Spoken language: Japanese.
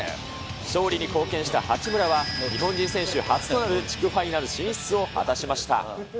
勝利に貢献した八村は、日本人選手初となる地区ファイナル進出を果たしました。